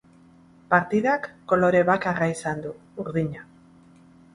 Partidak kolore bakarra izan du, urdina.